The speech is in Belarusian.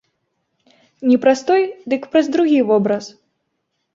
Не праз той, дык праз другі вобраз.